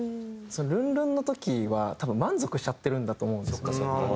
ルンルンの時は多分満足しちゃってるんだと思うんですよ。